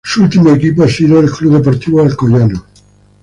Su último equipo ha sido el Club Deportivo Alcoyano.